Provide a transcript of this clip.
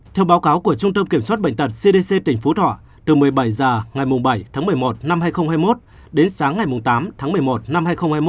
từ một mươi bảy h ngày bảy tháng một mươi một năm hai nghìn hai mươi một đến sáng ngày tám tháng một mươi một năm hai nghìn hai mươi một